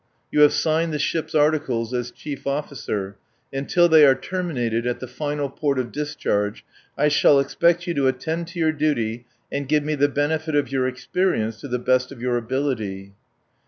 You have signed the ship's articles as chief officer, and till they are terminated at the final port of discharge I shall expect you to attend to your duty and give me the benefit of your experience to the best of your ability."